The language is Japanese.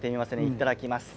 いただきます。